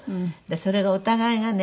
それがお互いがね